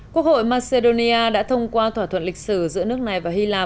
quốc hội macedonia đã thông qua thỏa thuận lịch sử giữa nước này và hy lạp